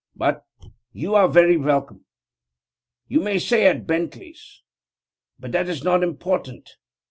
But you are very welcome. You may say at Bentley's but that is not important.